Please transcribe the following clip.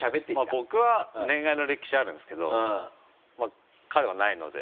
僕は恋愛の歴史あるんですけど彼はないので。